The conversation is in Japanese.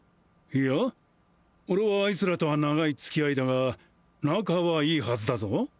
いや俺はあいつらとは長い付き合いだが仲はいいはずだぞ